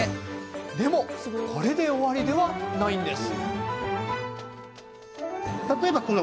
でも、これで終わりではないんです。